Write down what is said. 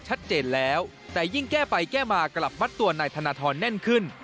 ชัดเจนแล้วแต่ยิ่งแก้ไปแก้มากลับมัดตัวนายธนทรแน่นขึ้น